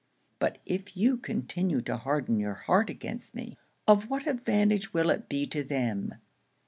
But if you continue to harden your heart against me, of what advantage will it be to them?